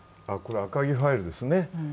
赤木ファイルですね。